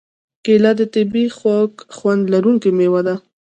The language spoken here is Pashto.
کېله د طبعیي خوږ خوند لرونکې مېوه ده.